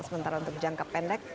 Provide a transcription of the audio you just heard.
sementara untuk jangka pendek